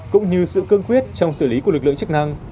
cũng như sự cương quyết trong xử lý của lực lượng chức năng